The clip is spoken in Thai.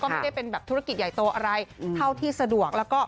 ไม่ได้เป็นแบบธุรกิจใหญ่โตอะไรเท่าที่สะดวกแล้วก็